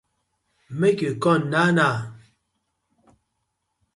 Mak yu com naw naw.